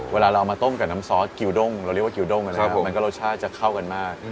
เวลาเราเอามาต้มกับน้ำซอสกิวด้งเราเรียกว่ากิวด้งนะครับผมมันก็รสชาติจะเข้ากันมาก